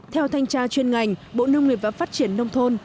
theo thanh tra chuyên ngành bộ nông nghiệp và phát triển nông thôn